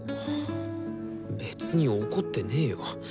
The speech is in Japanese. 別に怒ってねよ。